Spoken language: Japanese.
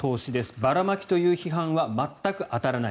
ばらまきという批判は全く当たらない。